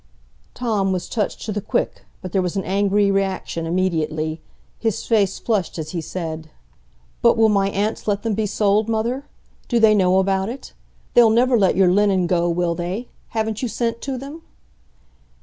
Tom was touched to the quick, but there was an angry reaction immediately. His face flushed as he said: "But will my aunts let them be sold, mother? Do they know about it? They'll never let your linen go, will they? Haven't you sent to them?"